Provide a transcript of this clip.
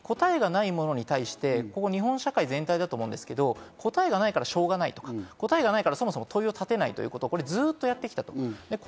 答えがないものに対して日本社会全体だと思うんですけど、答えがないからしょうがないとか、そもそも問いを立てないとか、ずっとやってきた。